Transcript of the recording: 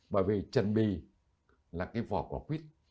bởi vì trần bì là cái vỏ của quýt